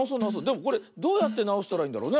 でもこれどうやってなおしたらいいんだろうね？